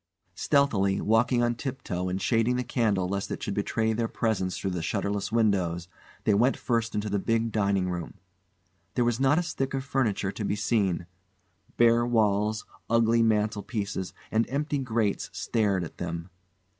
Stealthily, walking on tip toe and shading the candle lest it should betray their presence through the shutterless windows, they went first into the big dining room. There was not a stick of furniture to be seen. Bare walls, ugly mantel pieces and empty grates stared at them.